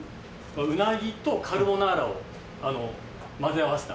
鰻とカルボナーラを交ぜ合わせた。